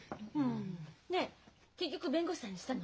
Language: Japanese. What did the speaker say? ねぇ結局弁護士さんにしたの？